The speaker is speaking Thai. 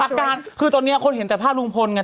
อาการคือตอนนี้คนเห็นแต่ภาพลุงพลไง